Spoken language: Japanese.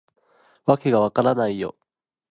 わけが分からないよ